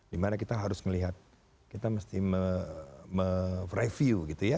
dimana kita harus melihat kita mesti mereview gitu ya